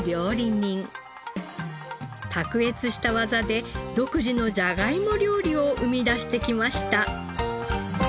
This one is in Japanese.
卓越した技で独自のじゃがいも料理を生み出してきました。